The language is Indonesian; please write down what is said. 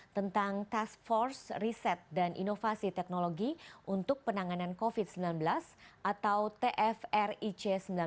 tentang task force riset dan inovasi teknologi untuk penanganan covid sembilan belas atau tfric sembilan belas